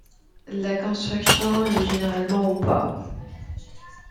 La construction est généralement en bois.